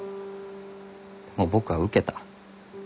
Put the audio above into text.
もう僕は受けた。